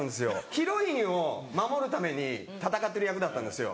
ヒロインを守るために戦ってる役だったんですよ。